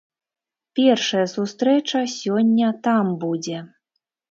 Першая сустрэча сёння там будзе.